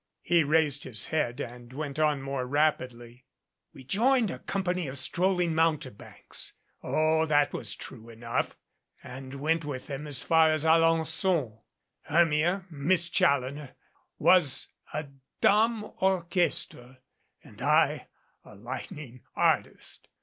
He raised his head and went on more rapidly. "We joined a company of stroll ing mountebanks. Oh, that was true enough and went with them as far as Alen9on. Hermia Miss Challoner was a Dame Orchestre and I a 'lightning' artist.